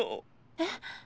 えっ？